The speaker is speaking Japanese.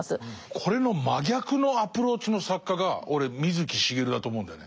これの真逆のアプローチの作家が俺水木しげるだと思うんだよね。